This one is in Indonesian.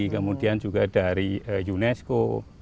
kemudian juga dari unesco